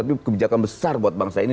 tapi kebijakan besar buat bangsa ini